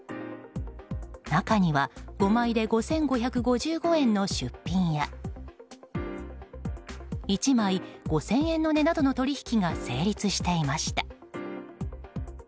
中には５枚で５５５５円の出品や１枚５０００円の値などの取引が成立していました。